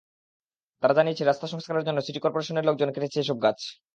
তারা জানিয়েছে, রাস্তা সংস্কারের জন্য সিটি করপোরেশনের লোকজন কেটেছে এসব গাছ।